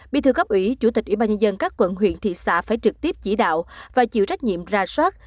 bí thư gấp ủy chủ tịch ủy ban nhân dân các quận huyện thị xã phải trực tiếp chỉ đạo và chịu trách nhiệm ra soát